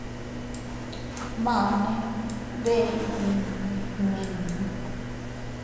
Mane, ¿deʼe iydinne nmiñu?.